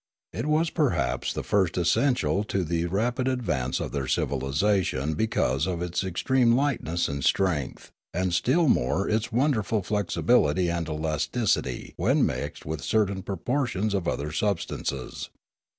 It was perhaps the first essential to the Sleep, Rest, and Flight 31 rapid advance of their civilisation because of its extreme lightness and strength, and still more its wonderful flexibility and elasticity when mixed with certain pro portions of other substances.